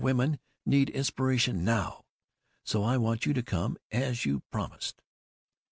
Women need inspiration now. So I want you to come, as you promised."